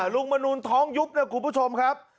ลุงมนูลท้องยุบนะครับคุณผู้ชมครับ